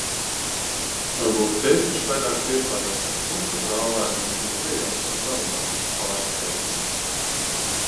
Varbūt tētiņš vairāk priecājās par to, ka brālēnu vismaz dejās un darbā tiku pārspējis.